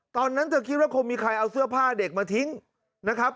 ตอนนั้นเธอคิดว่าคงมีใครเอาเสื้อผ้าเด็กมาทิ้งนะครับ